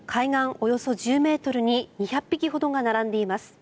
およそ１０ｍに２００匹ほどが並んでいます。